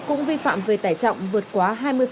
cũng vi phạm về tải trọng vượt quá hai mươi